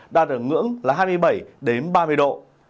đạt ở ngưỡng là hai mươi bảy ba mươi độ